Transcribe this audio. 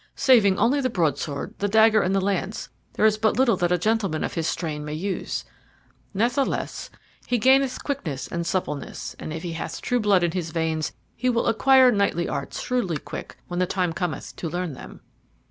"Saving only the broadsword, the dagger, and the lance, there is but little that a gentleman of his strain may use. Neth'less, he gaineth quickness and suppleness, and if he hath true blood in his veins he will acquire knightly arts shrewdly quick when the time cometh to learn them."